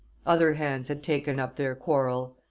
Other hands had taken up their quarrel.